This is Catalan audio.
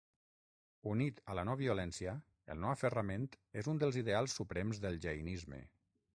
Unit a la no-violència, el no-aferrament és un dels ideals suprems del jainisme.